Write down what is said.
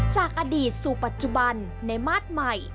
จากอดีตสู่ปัจจุบันในมาตรใหม่